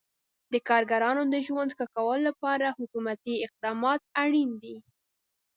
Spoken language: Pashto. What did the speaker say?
د کارګرانو د ژوند ښه کولو لپاره حکومتي اقدامات اړین دي.